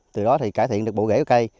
từ đó thì cải thiện được bộ ghé của cây